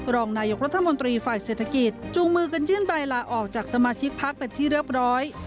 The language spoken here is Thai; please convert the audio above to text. รองนายกรัฐมนตรีฝ่ายเศรษฐกิจจูงมือกันยื่นใบลาออกจากสมาชิกพักเป็นที่เรียบร้อย